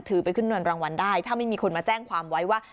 ไปขึ้นเงินรางวัลได้ถ้าไม่มีคนมาแจ้งความไว้ว่า